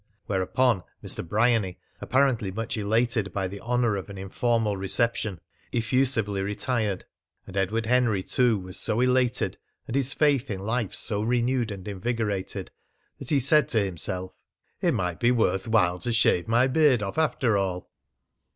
Whereupon Mr. Bryany, apparently much elated by the honour of an informal reception, effusively retired. And Edward Henry too was so elated, and his faith in life so renewed and invigorated that he said to himself: "It might be worth while to shave my beard off after all!"